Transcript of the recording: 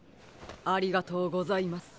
ありがとうございます。